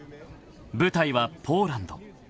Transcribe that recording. ［舞台はポーランド］